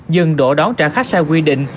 dừng đổ đón trả khách xa quy định